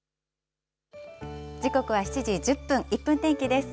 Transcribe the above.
時刻は７時１０分、１分天気です。